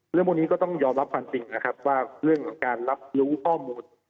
เรื่องพวกนี้ก็ต้องยอมรับความจริงนะครับว่าเรื่องของการรับรู้ข้อมูล